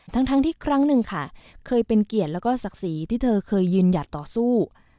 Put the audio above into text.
ทั้งที่ครั้งหนึ่งค่ะเคยเป็นเกียรติแล้วก็ศักดิ์ศรีที่เธอเคยยืนหยัดต่อสู้